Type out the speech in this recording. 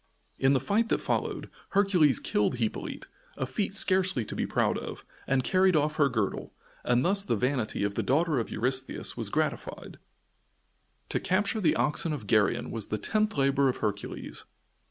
In the fight that followed, Hercules killed Hippolyte a feat scarcely to be proud of and carried off her girdle, and thus the vanity of the daughter of Eurystheus was gratified. To capture the oxen of Geryon was the tenth labor of Hercules.